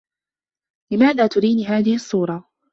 لماذا تريني هذه الصّورة؟